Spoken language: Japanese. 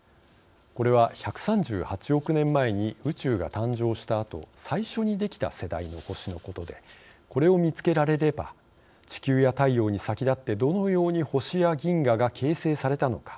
これは、１３８億年前に宇宙が誕生したあと最初に出来た世代の星のことでこれを見つけられれば地球や太陽に先立ってどのように星や銀河が形成されたのか。